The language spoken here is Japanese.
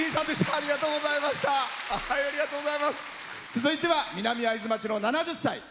続いては南会津町の７０歳。